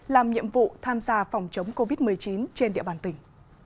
làm nhiệm vụ tham gia phòng chống covid một mươi chín trên địa bàn tỉnh